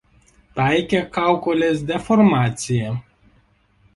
Taikė kaukolės deformaciją.